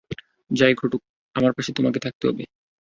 যাই ঘটুক, আমার পাশে থাকতে হবে তোমাকে!